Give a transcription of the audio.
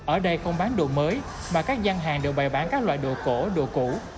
ở đây không bán đồ mới mà các gian hàng đều bày bán các loại đồ cổ đồ cũ